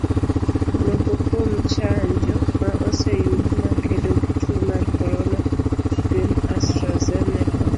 Moko kuom chanjo ma oseyud ma kedo gi tuo mar corona gin Astrazeneca,